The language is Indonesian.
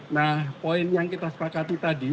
nah poin yang kita sepakati tadi